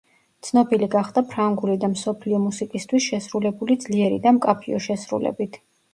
ცნობილი გახდა ფრანგული და მსოფლიო მუსიკისთვის შესრულებული ძლიერი და მკაფიო შესრულებით.